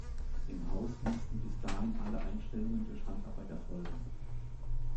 Im Haus mussten bis dahin alle Einstellungen durch Handarbeit erfolgen.